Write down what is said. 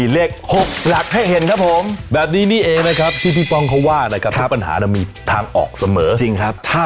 แล้วแบบนี้เขาขายยังไงคะ